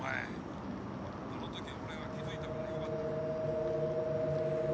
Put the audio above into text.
あのときは俺が気付いたからよかったものの。